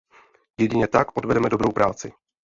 Jedině tak odvedeme dobrou práci.